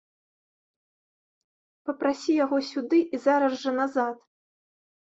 Папрасі яго сюды і зараз жа назад!